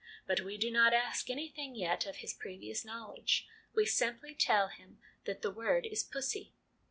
But we do not ask anything yet of his previous knowledge. We simply tell him that the word is 'pussy.'